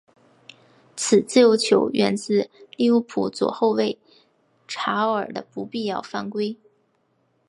此自由球源自利物浦左后卫查奥尔的不必要犯规。